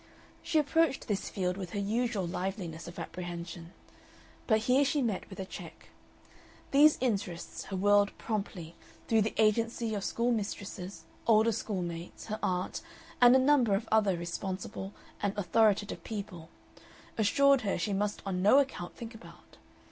She approached this field with her usual liveliness of apprehension. But here she met with a check. These interests her world promptly, through the agency of schoolmistresses, older school mates, her aunt, and a number of other responsible and authoritative people, assured her she must on no account think about.